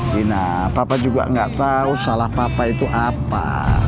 vina papa juga gak tau salah papa itu apa